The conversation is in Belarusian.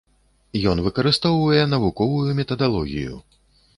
Ён выкарыстоўвае навуковую метадалогію.